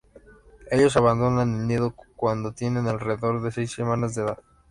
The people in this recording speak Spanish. Ellos abandonan el nido cuando tienen alrededor de seis semanas de edad.